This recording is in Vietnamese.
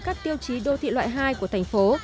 các tiêu chí đô thị loại hai của thành phố